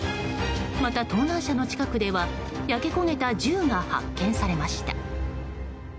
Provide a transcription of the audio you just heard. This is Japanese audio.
また、盗難車の近くでは焼け焦げた銃が発見されました。